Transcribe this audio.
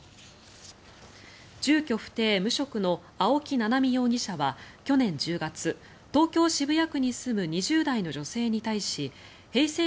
住居不定・無職の青木七海容疑者は去年１０月東京・渋谷区に住む２０代の女性に対しＨｅｙ！